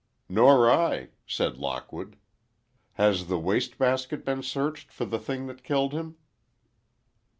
"Nor I," said Lockwood. "Has the waste basket been searched for the thing that killed him?"